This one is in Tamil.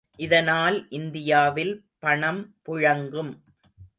இதனால் இந்தியாவில் பணம் புழங்கும்.